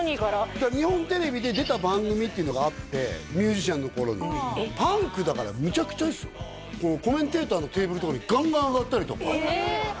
だから日本テレビで出た番組っていうのがあってミュージシャンの頃にコメンテーターのテーブルとかにガンガン上がったりとかええ！